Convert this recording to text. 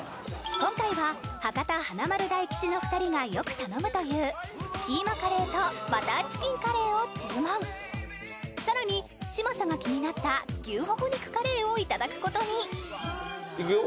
今回は博多華丸・大吉の２人がよく頼むというキーマカレーとバターチキンカレーを注文さらに嶋佐が気になった牛ほほ肉カレーを頂くことにいくよ。